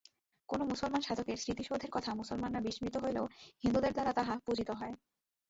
কোন মুসলমান সাধকের স্মৃতিসৌধের কথা মুসলমানরা বিস্মৃত হইলেও হিন্দুদের দ্বারা তাহা পূজিত হয়।